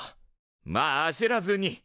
まああせらずに。